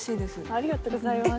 ありがとうございます。